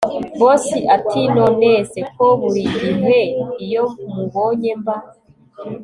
Boss atinonece ko burigihe iyo mubonye mba